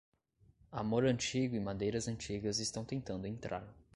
Amor antigo e madeiras antigas estão tentando entrar.